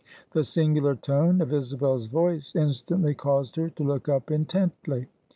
The singular tone of Isabel's voice instantly caused her to look up intently.